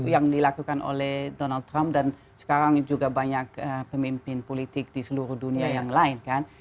yang dilakukan oleh donald trump dan sekarang juga banyak pemimpin politik di seluruh dunia yang lain kan